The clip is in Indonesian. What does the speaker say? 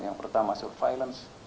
yang pertama surveillance